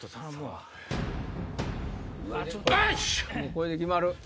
これで決まる。